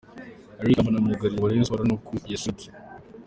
Eric Irambona myugariro wa Rayon Sport ni uku yaserutse.